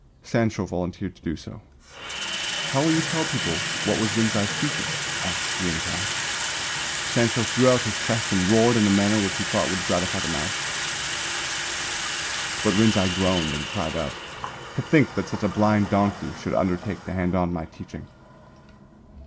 Sanshō volunteered to do so. "How will you tell people what was Rinzai's teaching?" asked Rinzai. Sanshō threw out his chest and roared in a manner which he thought would gratify the master. But Rinzai groaned and cried out, "To think that such a blind donkey should undertake to hand on my teaching!"